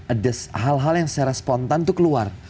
ada hal hal yang secara spontan itu keluar